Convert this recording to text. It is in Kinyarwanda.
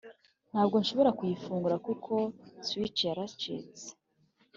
ntabwo nshobora kuyifungura, kuko switch yaracitse.